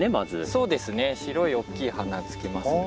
そうですね白いおっきい花つけますね。